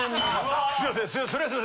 すいません。